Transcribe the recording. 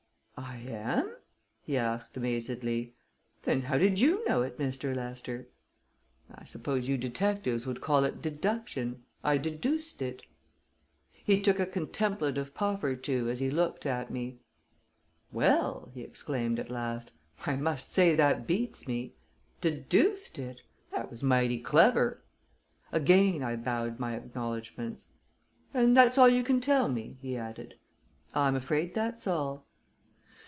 "I am?" he asked amazedly. "Then how did you know it, Mr. Lester?" "I suppose you detectives would call it deduction I deduced it." He took a contemplative puff or two, as he looked at me. "Well," he exclaimed, at last, "I must say that beats me! Deduced it! That was mighty clever." Again I bowed my acknowledgments. "And that's all you can tell me?" he added. "I'm afraid that's all."